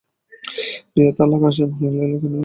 Riyad, Al Qassim এবং Hail এলাকা নিয়ে নজদ অঞ্চল গঠিত।